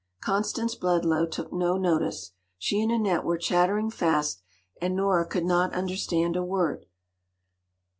Constance Bledlow took no notice. She and Annette were chattering fast, and Nora could not understand a word.